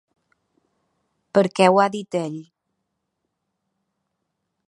Perquè ho ha dit ell.